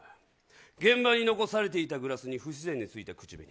現場に残されていたグラスに不自然に付いた口紅。